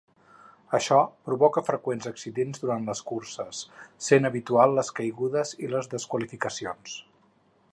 Això provoca freqüents accidents durant les curses, sent habitual les caigudes i les desqualificacions.